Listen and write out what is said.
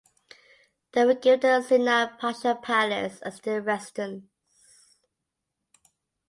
They were given the Sinan Pasha Palace as their residence.